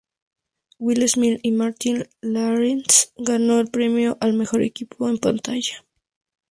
Will Smith y Martin Lawrence ganó el premio al "Mejor Equipo en Pantalla".